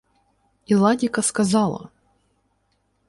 Іладіка сказала: